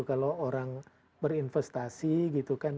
kalau orang berinvestasi gitu kan